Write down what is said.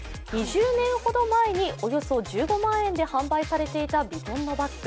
２０年ほど前におよそ１５万円ほどで販売されていたヴィトンのバッグ。